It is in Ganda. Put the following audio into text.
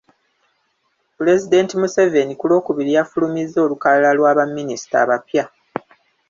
Pulezidenti Museveni ku Lwokubiri yafulumizza olukalala lwa baminisita abapya.